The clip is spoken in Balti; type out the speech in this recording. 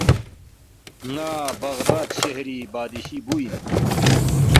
”ن٘ا بغداد شہری بادشی بُو اِن